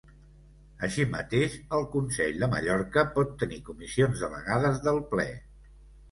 Així mateix el Consell de Mallorca pot tenir comissions delegades del Ple.